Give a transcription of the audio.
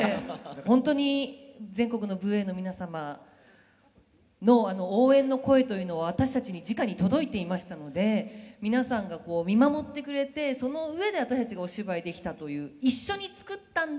本当に全国の武衛の皆様の応援の声というのは私たちにじかに届いていましたので皆さんが見守ってくれてその上で私たちがお芝居できたという「一緒に作ったんだ